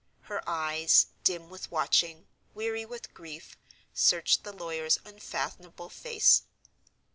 Her eyes, dim with watching, weary with grief, searched the lawyer's unfathomable face.